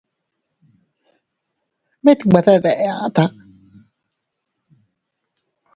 Mit nwe de deʼn ata.